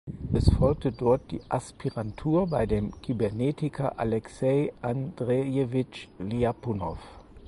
Es folgte dort die Aspirantur bei dem Kybernetiker Alexei Andrejewitsch Ljapunow.